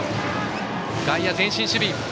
外野、前進守備。